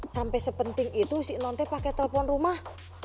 sampai sepenting itu si non teh pakai telfon rumah